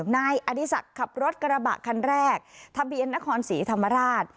นายอดีศักดิ์ขับรถกระบะคันแรกทะเบียนนครศรีธรรมราช